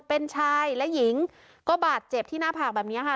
เป็นชายและหญิงก็บาดเจ็บที่หน้าผากแบบนี้ค่ะ